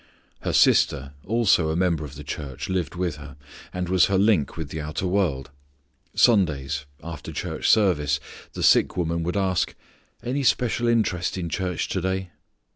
Her sister, also a member of the church, lived with her, and was her link with the outer world. Sundays, after church service, the sick woman would ask, "Any special interest in church to day?"